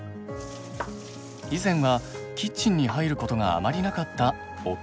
以前はキッチンに入ることがあまりなかった夫と長男。